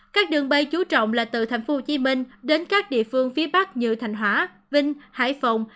các đường bay chú trọng là từ tp hcm đến các địa phương phía bắc như thành hóa vinh hải phòng